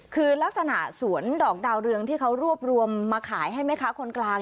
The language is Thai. คือลักษณะสวนดอกดาวเรืองที่เขารวบรวมมาขายให้แม่ค้าคนกลาง